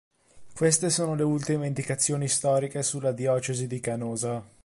Queste sono le ultime indicazioni storiche sulla diocesi di Canosa.